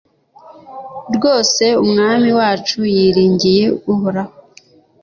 rwose, umwami wacu yiringiye uhoraho